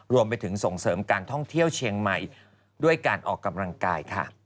รวมไปถึงส่งเสริมการท่องเที่ยวเชียงใหม่ด้วยการออกกำลังกายค่ะ